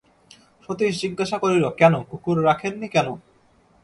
সতীশ জিজ্ঞাসা করিল, কেন, কুকুর রাখেন নি কেন?